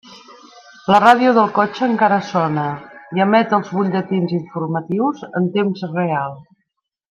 La ràdio del cotxe encara sona i emet els butlletins informatius en temps real.